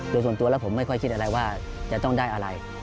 โดยส่วนตัวแล้วผมไม่ค่อยคิดอะไรว่าจะต้องได้อะไร